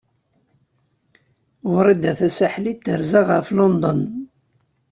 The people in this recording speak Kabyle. Wrida Tasaḥlit terza ɣef London.